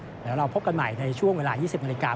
เดี๋ยวเราพบกันใหม่ในช่วงเวลา๒๐นาฬิกา